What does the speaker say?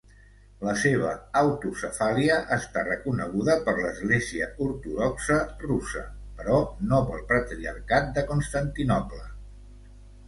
La seva autocefàlia està reconeguda per l'Església Ortodoxa Russa, però no pel Patriarcat de Constantinoble.